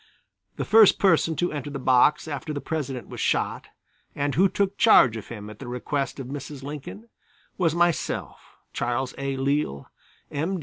The first person to enter the box after the President was shot, and who took charge of him at the request of Mrs. Lincoln, was myself, Charles A. Leale, M.